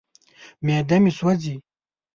معده مې سوځي.